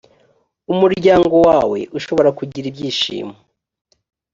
umuryango wawe ushobora kugira ibyishimo